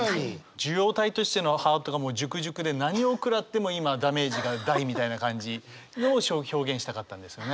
受容体としてのハートがもうジュクジュクで何を食らっても今ダメージが大みたいな感じのを表現したかったんですね